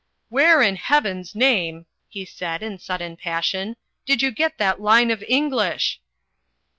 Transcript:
"Where in heaven's name," he said in sudden passion, "did you get that line of English?"